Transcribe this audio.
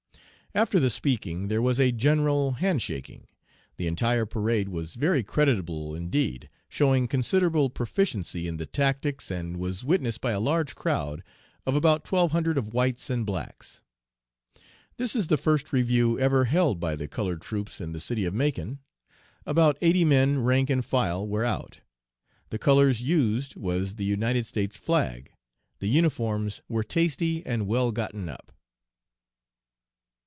"After the speaking there was a general hand shaking. The entire parade was very creditable indeed, showing considerable proficiency in the tactics, and was witnessed by a large crowd of about twelve hundred of whites and blacks. "This is the first review ever held by the colored troops in the city of Macon. About eighty men rank and file were out. The colors used was the United States flag. The uniforms were tasty and well gotten up."